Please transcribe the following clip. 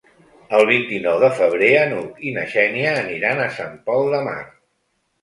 El vint-i-nou de febrer n'Hug i na Xènia aniran a Sant Pol de Mar.